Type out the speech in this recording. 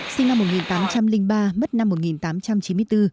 sinh năm một nghìn tám trăm linh ba mất năm một nghìn tám trăm chín mươi bốn